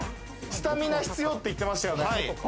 スタミナ必要って言ってたですよね。